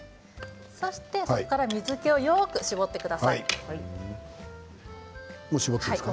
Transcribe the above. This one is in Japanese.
そこから水けをよく絞ってください。